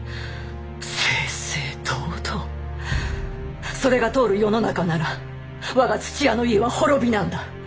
正々堂々それが通る世の中なら我が土屋の家は滅びなんだ。